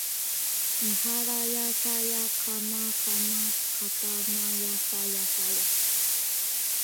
にはらやさやかまかまかたまやさやさやさ